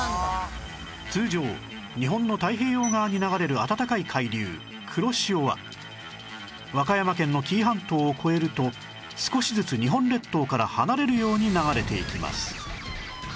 通常日本の太平洋側に流れる暖かい海流黒潮は和歌山県の紀伊半島を越えると少しずつ日本列島から離れるように流れていきます